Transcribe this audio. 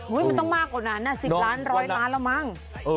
มันต้องมากกว่านั้น๑๐ล้าน๑๐๐ล้านแล้วมั้ง